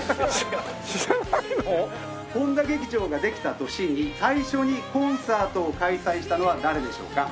本多劇場ができた年に最初にコンサートを開催したのは誰でしょうか？